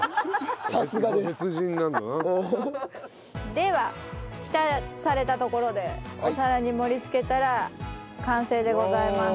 では浸されたところでお皿に盛り付けたら完成でございます。